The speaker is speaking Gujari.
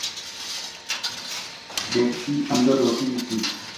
بیٹکی اندر روکی وی تھی۔